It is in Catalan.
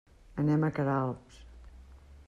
Anem a Queralbs.